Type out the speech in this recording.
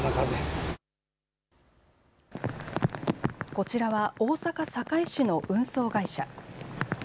こちらは大阪堺市の運送会社。